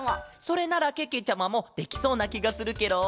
それならけけちゃまもできそうなきがするケロ。